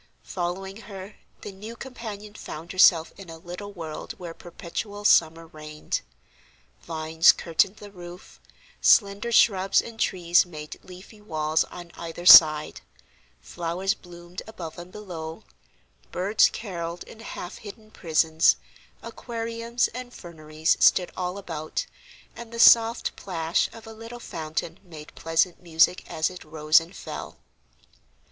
Following her, the new companion found herself in a little world where perpetual summer reigned. Vines curtained the roof, slender shrubs and trees made leafy walls on either side, flowers bloomed above and below, birds carolled in half hidden prisons, aquariums and ferneries stood all about, and the soft plash of a little fountain made pleasant music as it rose and fell.